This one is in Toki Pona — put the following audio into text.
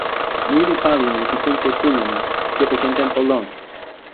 ni li pali mi pi tenpo suno ni, kepeken tenpo lon: